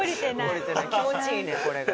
気持ちいいねんこれが。